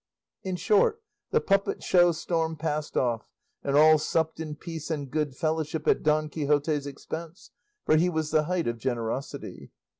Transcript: In short, the puppet show storm passed off, and all supped in peace and good fellowship at Don Quixote's expense, for he was the height of generosity.